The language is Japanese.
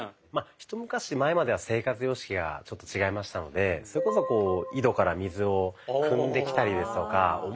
一昔前までは生活様式がちょっと違いましたのでそれこそこう井戸から水をくんできたりですとか。